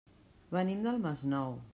Venim del Masnou.